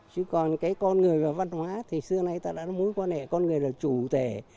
chứ còn cái con người và văn hóa thì xưa nay ta đã nói mối quan hệ con người là chủ thể